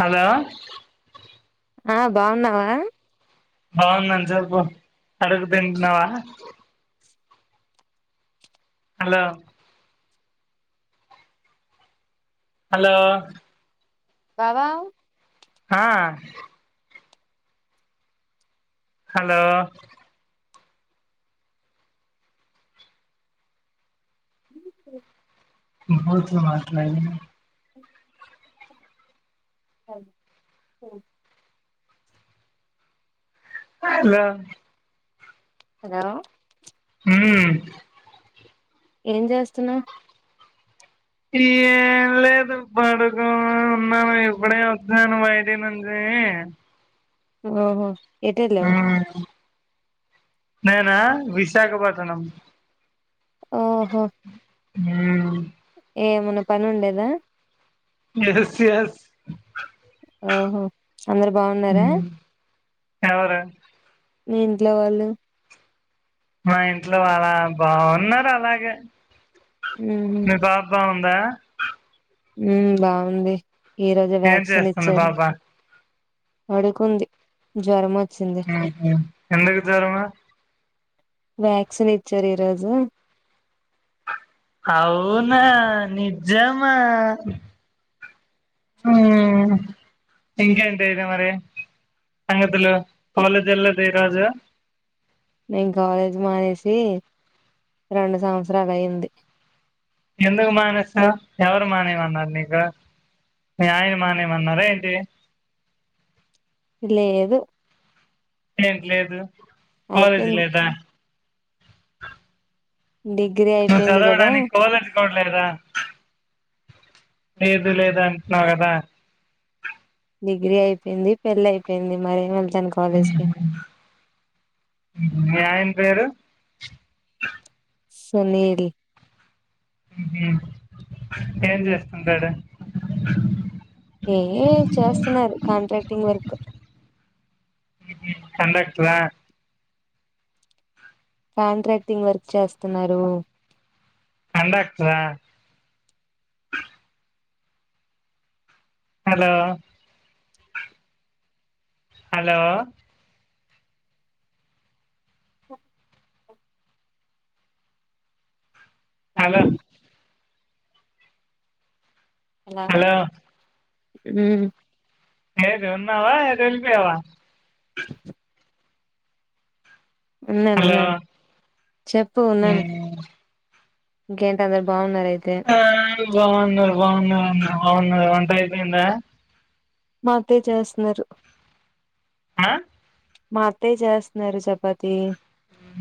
hello ఆ బాగున్నావా బాగున్నాను చెప్పు అడగదిటున్నావా హలో హలో బావ ఆ హలో బూతులు మాట్లాడి అ లో హలో హ్మ్ ఏం చేస్తున్నావు ఏం లేదు బడుకొని ఉన్నాను ఇప్పుడే వచ్చాను బయటి నుంచి ఓహో ఏట లేవు మ్మ్ నేనా వి విశాఖపటనం ఓహో హ్మ్ ఏమన్న పని ఉండేదా ఎస్ ఎస్ ఆహా అందరు బాగున్నారా మ్మ్ ఎవరు ని ఇంట్లో వాళ్ళు మా ఇంట్లో అళ బాగున్నారు అలాగే ఉహు మీ పాప బాగు ద ఉ బాగుంది ఈ రోజు ఏం చేస్తుంది బాబా అడుకుంది జర్మ ఎంతకు తరమా వ్యాక్సిన్ ఇచ్చారు రాజా అవునా నిజమా ఇంకేంటి అయితే మరి సంగతులు పలది వెల్లదు ఈరోజు నేను కాలేజీ మానేసి రెండు సంవత్సరాలు అయింది ఎందుకు మానేస్త ఎవరు మానేయమన్నారు నీకు మీ ఆయన మానేయమన్నారా ఏంటి లేదు ఏంటి లేదు కాాలేజ్ అయిపోయింది లోదా డిగ్రీ అయిపోయింది కదా కో లేదా లేదు లేదు అంటున్నావు కదా డిగ్రీ అయిపోయింది పెళ్లి అయిపోయింది మర నయ పేరు సునీల్ ఏం చేస్తుంటాడు అ ఏ చేస్తున్నారు కాంట్రాక్టింగ్ వర్క్ సన్నట్లా కాంట్రాక్టింగ్ వర్క్ చేస్తున్నారు కంక్టద hello hello hello hello hello అ లేేది ఉన్నావా అదిల్పి అవా ఉన్నాను హలో ఉన్నాను చెప్పు ఉన్నాను గేంటంత అందర బాగుంట ఆ బన బన అవును ఒంట అయిపోందా మాంతే చేస్తున్నారు ఆ మా అత్తే చేస్తున్నారు చపాతి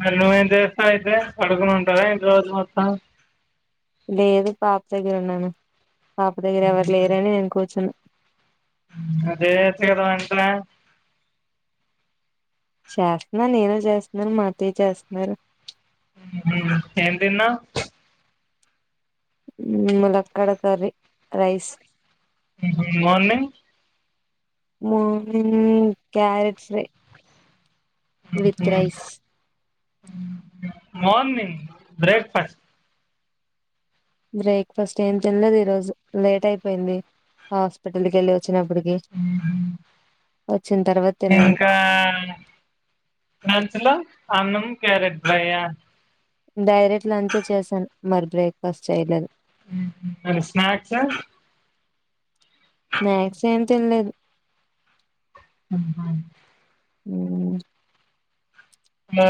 మరి నువ్వేం చేస్తావు అయితే పడుకుని ఉంటారా ఇంటి రోజు మొత్తం లేదు పాప దగ్గర ఉన్నాను పాప దగ్గర ఎవరు లేరుని నేను కూర్చును అదే కదా మంట చేస్తున్నా నేను చేస్తున్నాను మా అత్తయ్య చేస్తున్నారు ఎంతన్నా లక్కడ కర్రీ రైస్ మార్నింగ్ మ క్యారెట్స్ రే with rice morning breakfast breakfast ఏం తినలేదు ఈ రోజు లేట్ అయిపోయింది హాస్పిటల్ కి వెళ్ళి వచ్చ వచ్చిన తర్వాత తిన్నాను ఇంకా ంచలో అన్నం క్యారెట్ బయ డైరెక్ట్ లంచే చేశాను మరి బ్రేక్ఫాస్ట్ చేయలేదు అ స్నాక్స్ా స్నాక్స్ ఏం తెలిలేదు ఆ హ ఓే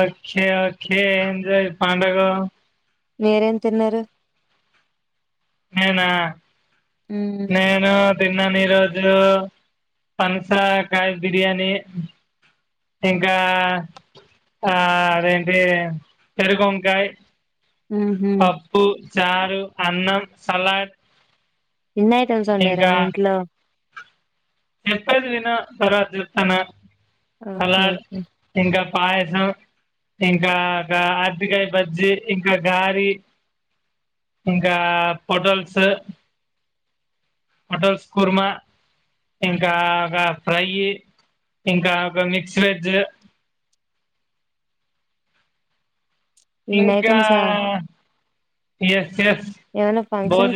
ఖే ఎంజాయ్ పండగ నేరేం తిన్నారుారు ఏనా నేను తిన్నాని రోజు పనసాకాయ బిర్యానీ ఇంకా ఆ అదేంటి పెరు వంకాయ కప్పు చారు అన్న సలాడ్ ఇన్న ఐటమ్స్ ఉండ వరా మీట్లో చెప్స్తా దనా త చెతానా అలా ఓకే ఓకే ఇంకా పయస ఇంకా కాయ బజ్జి ఇంకా గారి ఇంకా పొటల్స్ హోటల్స్ కుర్మా ఇంకా అయ ఇంకా ఒక మిక్స్ వెజ్ ఇన్నయి ఇంకా చంసా ఎస్ ఎ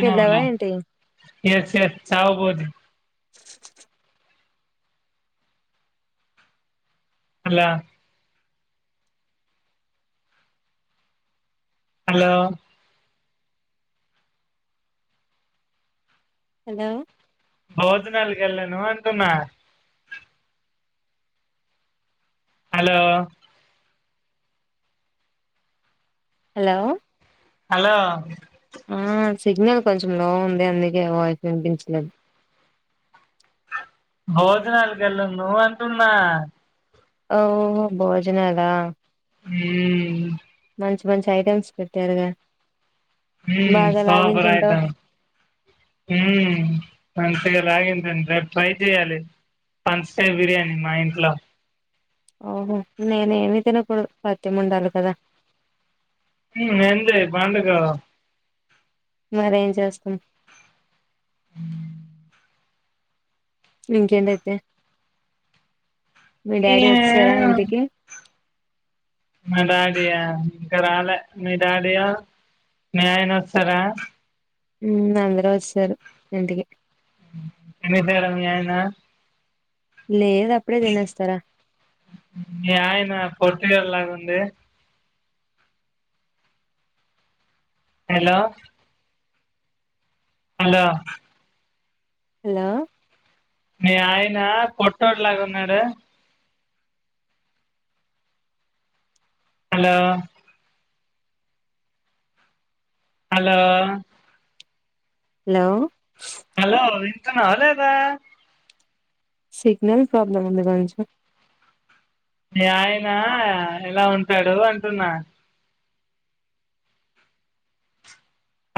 కి వాళ వెళ్ళావా ఏంటి ఎస్ ఎస్ చవు బోజ అలా హలో హలో బౌతు నాలుగల్ను న్నా హలో హలో హలో ఆ సిగ్నల్ కొంచెం లో ఉంది అందుకే వాయిస్ వినిపించలేదు బజనా కలు నుో అంటన్నా ఓహో భోజనాల ఉ మంచి మంచి ఐటమ్స్ పెట్టారుగా బాగా సప రాయత లాగించుంటావు రాగిందండి రేపు ట్రై చెయ్యాలి పంచయ బిర్యానీ మా ఇంట్లో ఓహో నేనే ఏమి తినప్పుడు సాథ్యం ఉండాలి కదా ఎంత పాండకా మరేం చేస్తాం ఇంకేంటయితే మీ డాడీ వస్తారా ఇంటికి మిడాడియాకరాల మిడాడియా న్యనసరా అందరూ వచ్చారు ఇంటికి ఎన్నితేడ మీయనా లేదు అప్పుడే తినేస్తారా మీ ఆయన పొర్తుగాల్ లాగా ఉంది హలో అంటా హలా మీ ఆయన పట్టోట్ లాగా ఎడ హలో హలో హలో హలో ఇంత అాలదా సిగ్నల్ ప్రబ్లమ్ ఉందిగంచ మీ ఆయన ఎలా ఉంటాడు అంటున్నా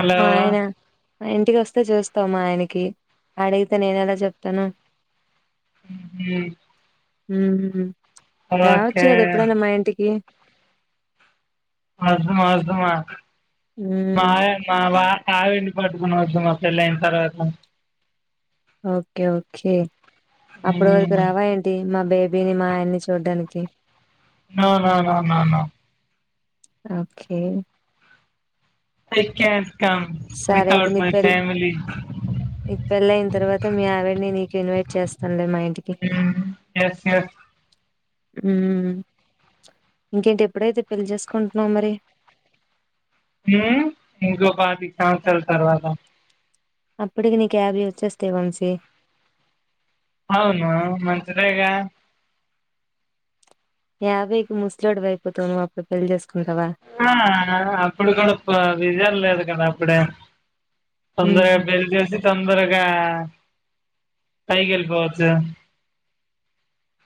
హలో మాయనా ఇంటికి వస్తే చూస్తామా ఆయనకి అడిగితే నేన ఎలా చెప్తాను హ రావచ్చు ఓకే కదా ఎప్పుడైనా మా ఇంటికి అధమా అధమా మా మ్మ్ మా వా ఆవిండి పట్టుకునివచ్చు మా పెళ్ళి అయిన తర్వాత ఓకే ఓకే అప్పటి వరకు రావా ఏంటి మా బేబీ బీని మా ఆయన్ని చూడ్డానికి నానా నా నానా ఓకే సరే అయితే నీ పె నీ పెళ్ళ అయిన తర్వాత మీ ఆవిడిని నీకు ఇన్వైట్ చేస్తాను మా ఇంటికి ఉమ్ ఎస్ ఎస్ ఇంకేంటి ఎప్పుడైతే పెళ్లి చేసుకుంట న మరి ఇంకొ పాతి సంవత్సరాల తర్వాత అప్పటికి నీ క్యాబ వచ్చేస్తే వంశీ అవును మంతంతరగా యాభైకి ముసలాడు వయిపోతావును మా పళ్లి చేసు ఆ అప్పుడు కూడా విజయం లేదు కదా ఎప్పుడే తొందరగా మ్మ్ బలు చేేసి తొందరగా కాయ గెలు పోవాచ్చ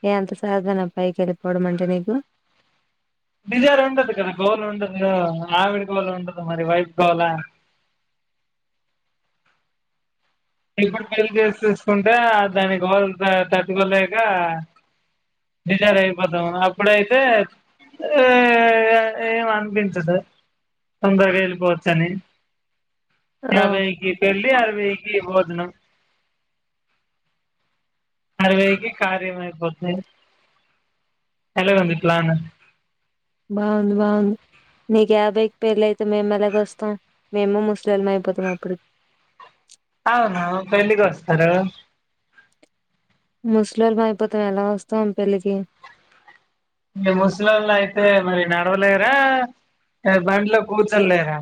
ఏ ఎంత సరదా నా పైకి వెళ్ళిపోవడం అంటే నీకు బడిజర్ ఉండదు కదా గోలు ఉండదు ఆవిడ గోళ ఉండదు మరి వైపు గోళ ఎప్పుడు పెళ్ళ చేసి చసుకుంటే దాని గ [unintelligible] పిల్లొల్లు లేక బేజారు అయిపోతాము అప్పుడైతే ఆ ఏ ఏం అనిపించదు తొందరగా వెళ్ళిపోవచ్చని ఓ తవేగి పళ్లి ఆరు వగకి ప అన్న అరవైకి కార్యం అయిపోతుంది ఎలా వుంది ప్లాను బాగుంది బాగుంది నీకు యాభైకి పెళ్లి అయితే మేము ఎలాగ వస్తాం మేము ముసలోళ్ళం అయిపోతాం అప్పుడు అవును పెళ్లికి వస్తారు ముస్లొళ్ళం అయిపోతాం ఎలా వస్తాం పెళ్ళికి మీరు ముసలోళ్ళు అయితే మరి నడవలేరా లేక బండ్లో కూచోలేరా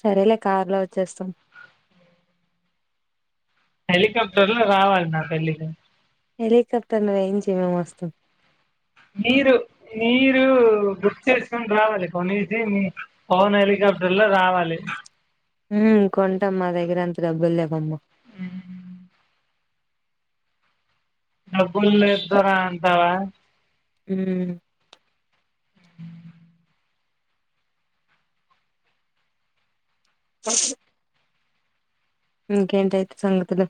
సరేలే కారులో వచ్చేస్తాం హెలికాప్టర్ లో రావాలి నా పెళ్లికి హెలికాప్టర్ ను అరేంజ్ మేం వస్తాం మీరు మీరు బుక్ చేసుకుని రావాలి కొనేసి మీ పవన్ హెలికాప్టర్ లో రావాలి డబ్బులేవమ్మొ ఊ డబ్బుల్లేద్దార దావా ఉమ్ స ఇంకేంటయితే సంగతులు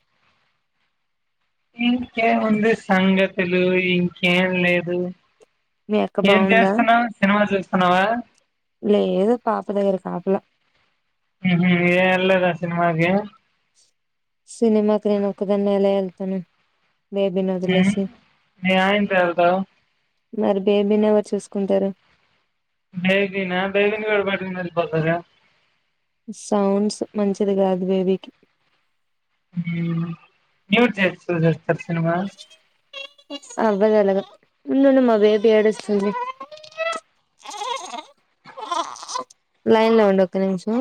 ఇంకేముంది సంగతులు ఇంకేం లేదు మీ అక్క ఏం బాగుందా చేస్తున్నావ్ సినిమా చూస్తు అనవా లేదు పాప దగ్గర కాపలా ఊ హూ ఏం వెళ్లలేదా సినిమాకి సినిమాకి నేను ఒక్కదాన్ని ఎలా వెళ్తాను బేబీని ఉమ్ వదిలేసి మీ ఆయనతో వెళ్తావ్ మరీ బెబీ నీ ఎవర్ చూసుకుంటారు బేబీ నా బేబీని కూడా పట్టుకొని వెళ్ళిపోతారు సౌండ్స్ మంచిది కాదు బేబీకి నవు చేస్తు జ అవ్వదలాగా ఉండు ఉండు మా బేబి ఏడుస్తుంది లైన్ లో ఉండు ఒక్క నిమిషం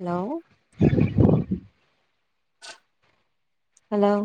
హలో హలో